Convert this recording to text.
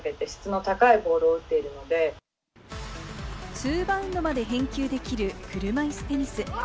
２バウンドまで返球できる、車いすテニス。